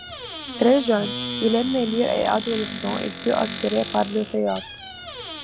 Très jeune, il aimait lire et adolescent il fut attiré par le théâtre.